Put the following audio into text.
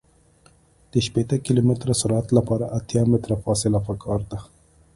د شپیته کیلومتره سرعت لپاره اتیا متره فاصله پکار ده